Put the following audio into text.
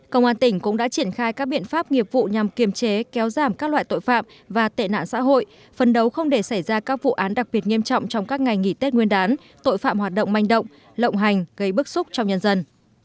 công an tỉnh cũng đã triển khai các biện pháp nghiệp vụ nhằm kiềm chế kéo giảm các loại tội phạm và tệ nạn xã hội phân đấu không để xảy ra các vụ án đặc biệt nghiêm trọng trong các ngày nghỉ tết nguyên đán tội phạm hoạt động manh động lộng hành gây bức xúc trong nhân dân